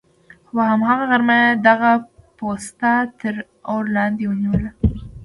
خو په هماغه غرمه یې دغه پوسته تر اور لاندې ونه نیوله.